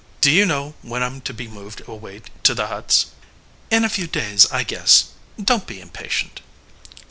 Do you know when I m to be moved away to the huts ? MISS HOWARD. In a few days, I guess. Don t be impatient.